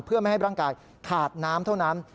เพื่อไม่ให้ร่างกายขาดน้ำเท่านั้น